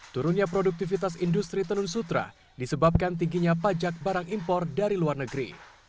turunnya produktivitas industri tenun sutra disebabkan tingginya pajak barang impor dari luar negeri